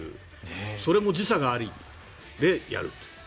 それも時差がある中でやると。